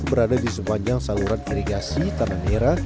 berada di sepanjang saluran irigasi tanah merah